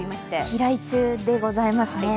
飛来中でございますね。